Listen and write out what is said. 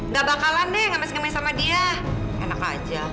nggak bakalan deh ngamil ngamil sama dia enak aja